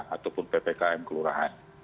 ataupun ppkm kelurahan